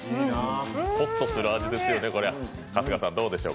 ホッとする味ですよね。